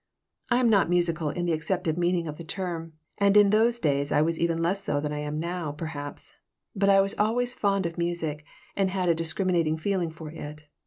I am not musical in the accepted meaning of the term, and in those days I was even less so than I am now, perhaps, but I was always fond of music, and had a discriminating feeling for it.